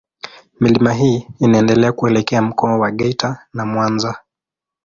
Milima hii inaendelea kuelekea Mkoa wa Geita na Mwanza.